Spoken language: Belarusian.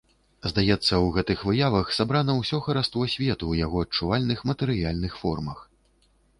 Здаецца, у гэтых выявах сабрана ўсё хараство свету ў яго адчувальных матэрыяльных формах.